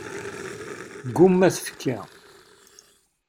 Tegguma tfekka.